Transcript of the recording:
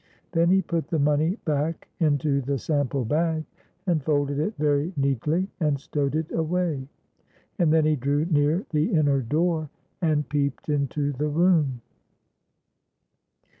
Then he put the money back into the sample bag, and folded it very neatly, and stowed it away. And then he drew near the inner door, and peeped into the room.